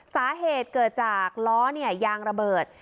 สาเหตุเกิดจากล้อยางระเบิด